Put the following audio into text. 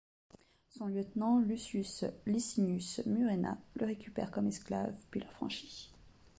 Son lieutenant Lucius Licinius Murena le récupère comme esclave, puis l'affranchit.